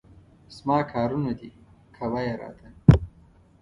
زما کارونه دي، کوه یې راته.